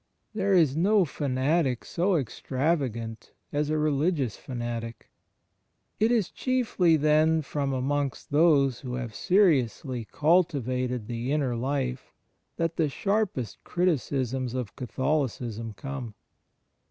There is no fanatic so extravagant as a religious fanatic. It is chiefly, then, from amongst those who have seriously cultivated the inner life that the sharpest criticisms of Catholicism come.